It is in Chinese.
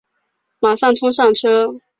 马上冲上车